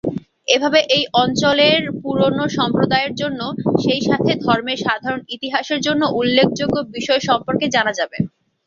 এভাবে এই অঞ্চলের পুরনো সম্প্রদায়ের জন্য, সেইসাথে ধর্মের সাধারণ ইতিহাসের জন্য উল্লেখযোগ্য বিষয় সম্পর্কে জানা যাবে।